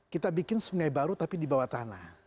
kita bikin sungai baru tapi di bawah tanah